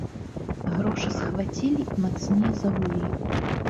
Грошы схвацілі і мацней загулі.